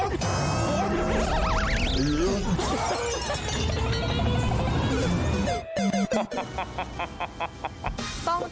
เส้งซักบาท